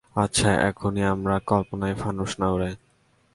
আচ্ছা, এখনই আমরা কল্পনায় ফানুস না উড়াই।